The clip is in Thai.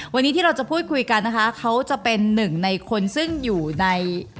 วันนี้ที่เราจะพูดคุยกันนะคะเขาจะเป็นหนึ่งในคนซึ่งอยู่ใน